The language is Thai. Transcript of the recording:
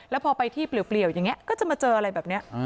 แล้วพอไปที่เปลี่ยวอย่างนี้ก็จะมาเจออะไรแบบนี้